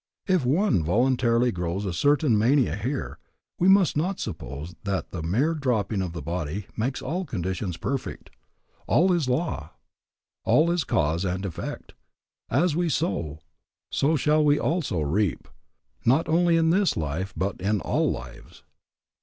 If one voluntarily grows a certain mania here, we must not suppose that the mere dropping of the body makes all conditions perfect. All is law, all is cause and effect. As we sow, so shall we also reap, not only in this life but in all lives.